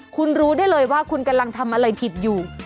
คุณรู้ได้เลยว่าคุณกำลังทำอะไรผิดอยู่